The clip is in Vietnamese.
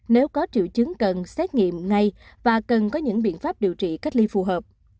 nếu có triệu chứng cần xét nghiệm ngay và cần có những biện pháp điều trị cách ly phù hợp